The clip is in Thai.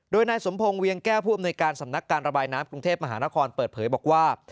โดยนายสมพงศ์เวียงแก้วผู้อำนวยการสำนักการระบายน้ำกรุงเทพมหานครเปิดเผยบอกว่า